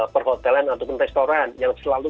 perhotelan ataupun restoran yang selalu